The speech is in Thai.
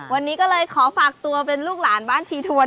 วันนี้ก็เลยขอฝากตัวเป็นลูกหลานบ้านชีทวน